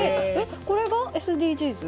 これがＳＤＧｓ？